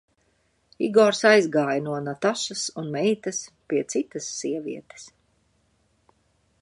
Igors aizgāja no Natašas un meitas pie citas sievietes.